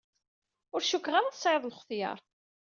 Ur cukkeɣ ara tesɛiḍ lxetyar.